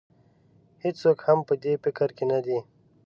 هېڅوک هم په دې فکر کې نه دی.